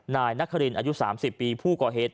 นายนครินอายุ๓๐ปีผู้ก่อเหตุ